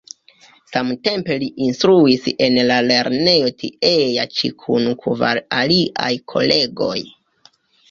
Samtempe li instruis en la lernejo tiea ĉi kun kvar aliaj kolegoj.